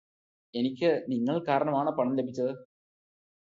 എനിക്ക് നിങ്ങള് കാരണമാണ് പണം ലഭിച്ചത്